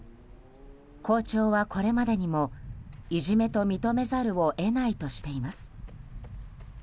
校長はこれまでにもいじめと認めざるを得ないとしています。